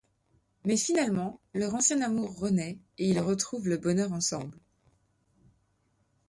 Mais finalement leur ancien amour renaît et ils retrouvent le bonheur ensemble.